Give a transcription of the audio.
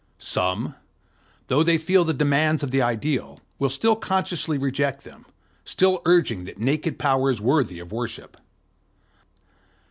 Some, though they feel the demands of the ideal, will still consciously reject them, still urging that naked Power is worthy of worship.